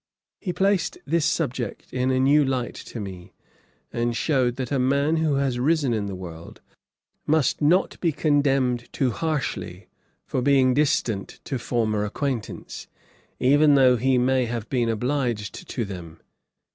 He placed this subject in a new light to me, and shewed that a man who has risen in the world, must not be condemned too harshly for being distant to former acquaintance, even though he may have been much obliged to them.'